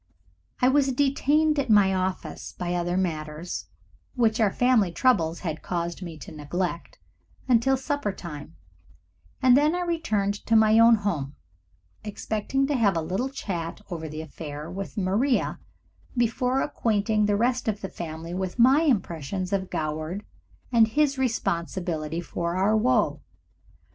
I was detained at my office by other matters, which our family troubles had caused me to neglect, until supper time, and then I returned to my own home, expecting to have a little chat over the affair with Maria before acquainting the rest of the family with my impressions of Goward and his responsibility for our woe.